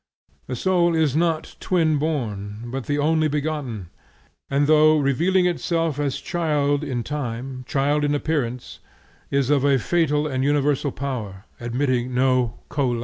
The soul is not twin born but the only begotten, and though revealing itself as child in time, child in appearance, is of a fatal and universal power, admitting no co life.